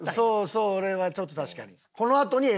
そうそれはちょっと確かに。